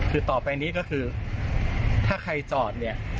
คือต่อไปนี้ก็คือถ้าใครจอดเนี่ย